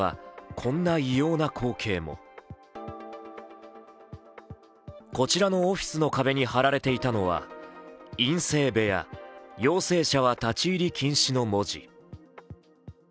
こちらのオフィスの壁に貼られていたのは「陰性部屋陽性者は立入禁止」の文字。